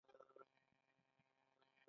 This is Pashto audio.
شاه دوشمشیره جومات څه کیسه لري؟